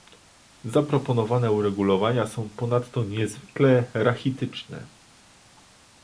Zaproponowane uregulowania są ponadto niezwykle rachityczne